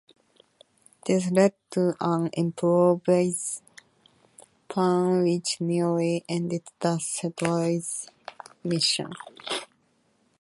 This led to an improvised plan which nearly ended the satellite's mission.